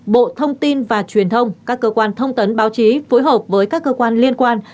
bộ thông tin và truyền thông các cơ quan thông tấn báo chí phối hợp với các cơ quan liên quan